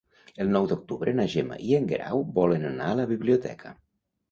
El nou d'octubre na Gemma i en Guerau volen anar a la biblioteca.